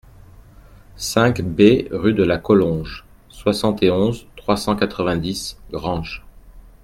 cinq B rue de la Collonge, soixante et onze, trois cent quatre-vingt-dix, Granges